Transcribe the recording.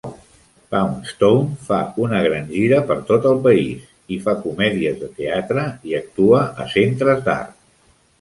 Poundstone fa una gran gira per tot el país, i fa comèdies de teatre i actua a centres d'art.